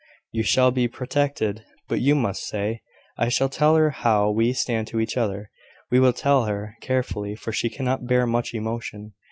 You shall be protected: but you must stay. I shall tell her how we stand to each other, we will tell her, carefully, for she cannot bear much emotion.